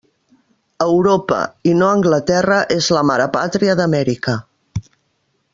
Europa, i no Anglaterra, és la mare pàtria d'Amèrica.